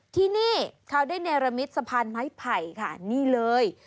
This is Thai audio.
ที่นี่เขาได้เนรมิตสะพานไม้ไผ่ค่ะนี่เลย